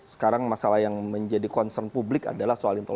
sekarang masalah yang menjadi concern publik adalah soal